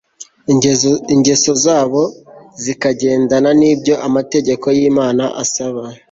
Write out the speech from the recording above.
ingeso zabo zikagendana n'ibyo amategeko y'imana asaba